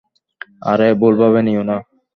আরে, ভুলভাবে নিও না।